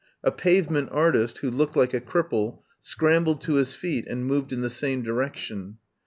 A pavement artist, who looked like a cripple, scrambled to his feet and moved in the same direction.